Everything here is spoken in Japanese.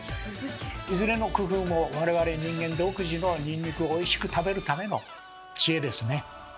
いずれの工夫も我々人間独自のニンニクをおいしく食べるための知恵ですね。